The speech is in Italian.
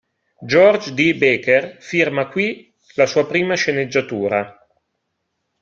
George D. Baker firma qui la sua prima sceneggiatura.